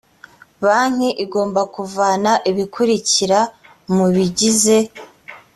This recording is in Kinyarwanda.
banki igomba kuvana ibikurikira mu bigize